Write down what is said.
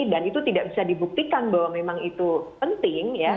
dan itu tidak bisa dibuktikan bahwa memang itu penting ya